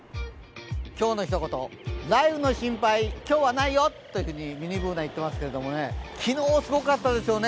今日のひと言、雷雨の心配、今日はないよとミニＢｏｏｎａが言ってますけど昨日、すごかったですよね。